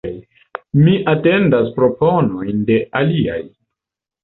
Mi atendas proponojn de aliaj.